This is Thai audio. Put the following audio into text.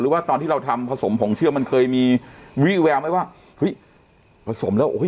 ว่าตอนที่เราทำผสมผงเชื่อมันเคยมีวี่แววไหมว่าเฮ้ยผสมแล้วโอ้โห